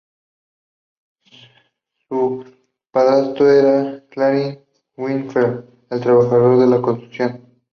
Su padrastro era Clarence Winfield, un trabajador de la construcción.